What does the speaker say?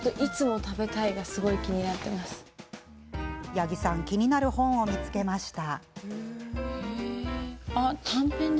八木さん気になる本を見つけました。